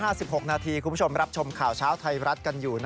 ตายที่๑๐๕๖ปคุณผู้ชมรับชมข่าวช้าวไทยรัฐกันอยู่นะครับ